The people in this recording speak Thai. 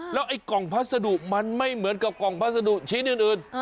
แล้วไอ้กล่องพัสดุมันไม่เหมือนกับกล่องพัสดุชิ้นอื่น